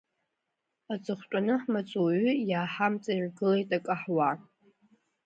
Аҵыхәтәаны ҳмаҵуҩы иааҳамҵаиргылеит акаҳуа.